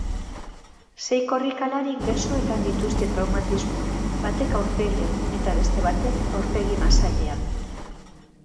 Sei korrikalarik besoetan dituzte traumatismoak, batek aurpegian eta beste batek aurpegi-masailean.